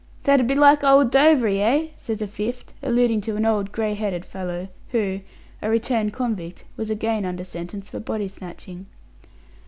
"That 'ud be like old Dovery, eh?" says a fifth, alluding to an old grey headed fellow, who a returned convict was again under sentence for body snatching.